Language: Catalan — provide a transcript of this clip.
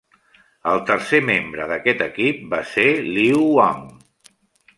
El tercer membre d'aquest equip va ser Liu Wang.